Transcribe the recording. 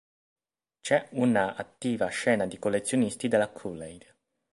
C'è una attiva scena di collezionisti della Kool-aid.